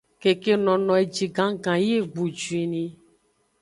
Keke nono eji gannggan yi egbu juinni.